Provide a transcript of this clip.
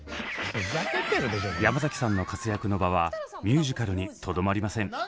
山崎さんの活躍の場はミュージカルにとどまりません。